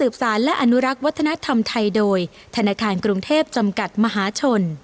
ประดูกนองยัง